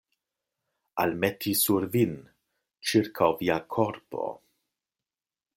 Almeti sur vin, ĉirkaŭ via korpo.